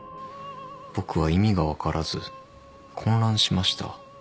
僕は意味が分からず混乱しました。